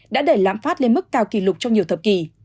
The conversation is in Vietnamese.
đã đẩy lãm phát lên mức cao kỷ lục trong nhiều thập kỷ